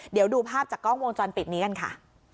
เดี๋ยวดูภาพจากกล้องวงจรปิดนี้กันค่ะ